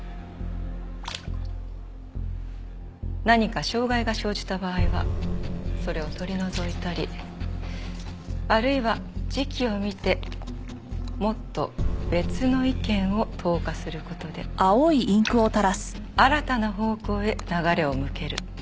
何か障害が生じた場合はそれを取り除いたりあるいは時期を見てもっと別の意見を投下する事で新たな方向へ流れを向ける。